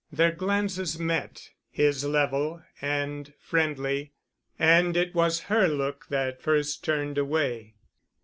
Their glances met, his level and friendly. And it was her look that first turned away.